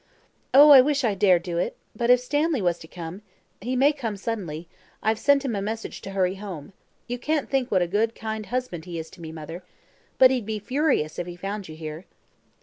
"Oh, I wish I dare do it. But if Stanley was to come he may come suddenly. I've sent him a message to hurry home. You can't think what a good, kind husband he is to me, mother. But he'd be furious if he found you here."